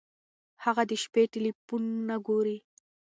هغه د شپې ټیلیفون نه ګوري.